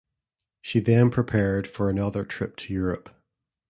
She then prepared for another trip to Europe.